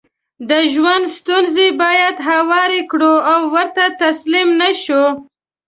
دژوند ستونزې بايد هوارې کړو او ورته تسليم نشو